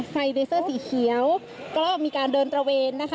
ไฟเลเซอร์สีเขียวก็มีการเดินตระเวนนะคะ